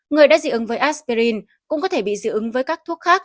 người đã dị ứng với asperin cũng có thể bị dị ứng với các thuốc khác